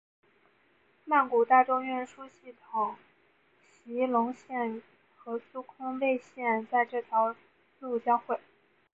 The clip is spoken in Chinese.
曼谷大众运输系统席隆线和苏坤蔚线在这条路交会。